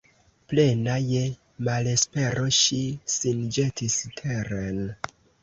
Plena je malespero, ŝi sin ĵetis teren.